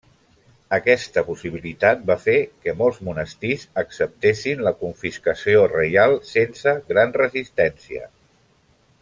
Aquesta possibilitat va fer que molts monestirs acceptessin la confiscació reial sense gran resistència.